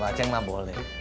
kalau aceh mah boleh dong